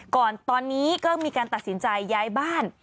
ก่อนตอนนี้ก็มีการตัดสินใจย้ายบ้าน